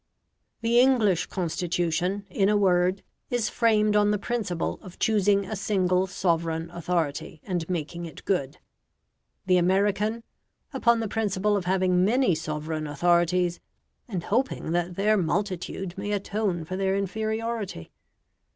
The English Constitution, in a word, is framed on the principle of choosing a single sovereign authority, and making it good; the American, upon the principle of having many sovereign authorities, and hoping that their multitude may atone for their inferiority.